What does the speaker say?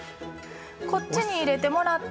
こっちに入れてもらって。